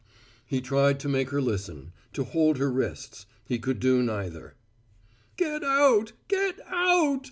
He tried to make her listen, to hold her wrists: he could do neither. "Get out get out!"